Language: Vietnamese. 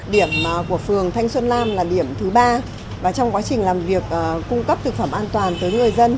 điểm của phường thanh xuân lam là điểm thứ ba và trong quá trình làm việc cung cấp thực phẩm an toàn tới người dân